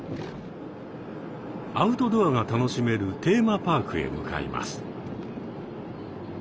アウトドアが楽しめるテーマパークへ向かいます。